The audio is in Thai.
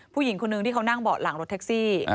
ผู้หญิงคนนึงที่เขานั่งเบาะหลังรถแท็กซี่